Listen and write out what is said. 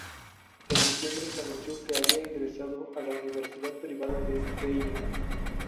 En diciembre se anunció que había ingresado a la universidad privada de Keio.